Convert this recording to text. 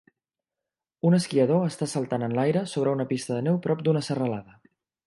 Un esquiador està saltant en l'aire sobre una pista de neu prop d'una serralada